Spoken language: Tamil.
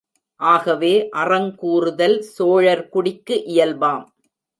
ஆகவே அறங் கூறுதல் சோழர் குடிக்கு இயல்பாம்.